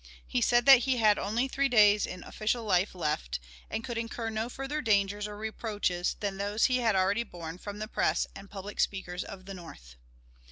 He said that he had only three days of official life left, and could incur no further dangers or reproaches than those he had already borne from the press and public speakers of the North.